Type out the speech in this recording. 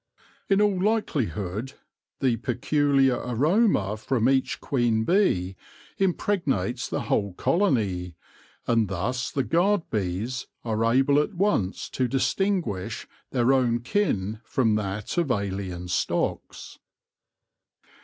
In all like lihood the peculiar aroma from each queen bee im pregnates the whole colony, and thus the guard bees are able at once to distinguish their own kin from that of alien stocks.